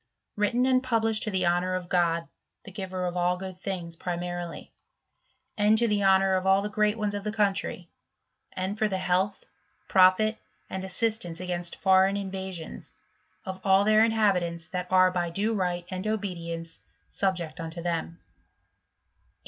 Written and published to the honour of God, the giver of all good things, pri marily ; and to the honour of all the great ones of the country; and for the health, profit, and assistance igainst foreign invasions, of all their inhabitants that Hi by due right and obedience subject unto them, 8.